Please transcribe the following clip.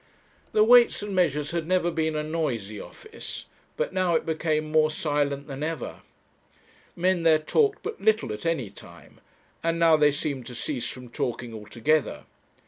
The Weights and Measures had never been a noisy office; but now it became more silent than ever. Men there talked but little at any time, and now they seemed to cease from talking altogether.